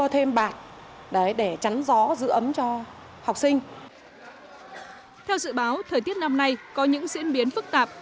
theo dự báo thời tiết năm nay có những diễn biến phức tạp